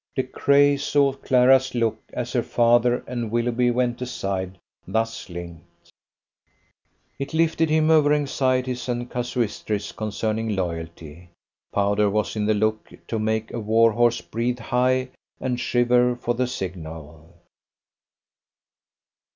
De Craye saw Clara's look as her father and Willoughby went aside thus linked. It lifted him over anxieties and casuistries concerning loyalty. Powder was in the look to make a warhorse breathe high and shiver for the signal.